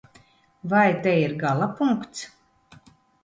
Vai te ir galapunkts?